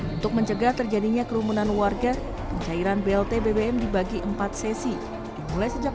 untuk mencegah terjadinya kerumunan warga pencairan blt bbm dibagi empat sesi dimulai sejak